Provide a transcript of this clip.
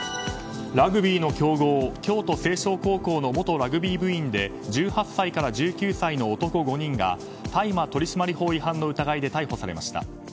ラグビーの強豪・京都成章高校の元ラグビー部員で１８歳から１９歳の男５人が大麻取締法違反の疑いで逮捕されました。